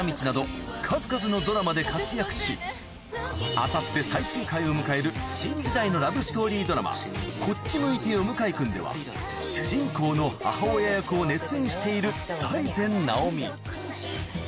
あさって最終回を迎える新時代のラブストーリードラマ『こっち向いてよ向井くん』では主人公の母親役を熱演している財前直見